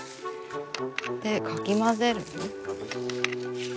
でかき混ぜる。